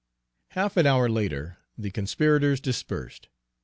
Half an hour later, the conspirators dispersed.